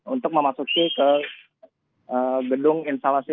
untuk memasuki ke gedung instalasi